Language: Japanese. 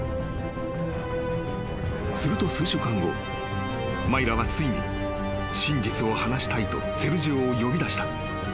［すると数週間後マイラはついに真実を話したいとセルジオを呼び出した］